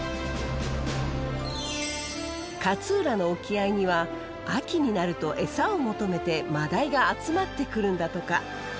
勝浦の沖合には秋になるとエサを求めてマダイが集まってくるんだとか。